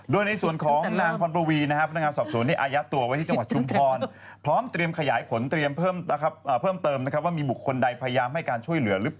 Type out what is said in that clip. ด้วยในส่วนของนางพรณประวีนะครับพนักงานสอบสนที่อายะตัว